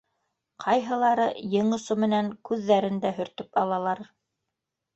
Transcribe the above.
Ҡайһылары ең осо менән күҙҙәрен дә һөртөп алалар.